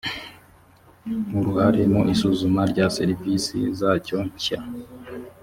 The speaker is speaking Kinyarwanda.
uruhare mu isuzuma rya serivisi zacyo nshya